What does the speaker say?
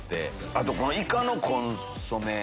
あとイカのコンソメ。